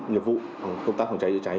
nhiệm vụ công tác phòng cháy chế cháy